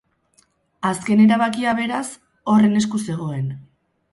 Azken erabakia, beraz, horren esku zegoen.